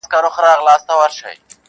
ستا تر پوهي مي خپل نیم عقل په کار دی-